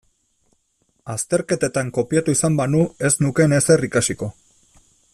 Azterketetan kopiatu izan banu ez nukeen ezer ikasiko.